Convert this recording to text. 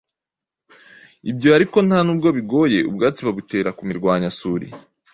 Ibyo ariko nta nubwo bigoye; ubwatsi babutera ku mirwanyasuri.